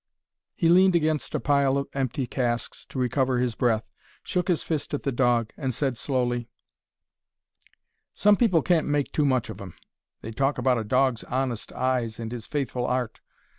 He leaned against a pile of empty casks to recover his breath, shook his fist at the dog, and said, slowly— Some people can't make too much of 'em. They talk about a dog's honest eyes and his faithful 'art.